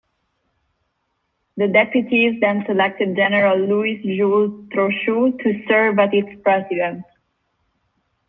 The deputies then selected General Louis-Jules Trochu to serve as its president.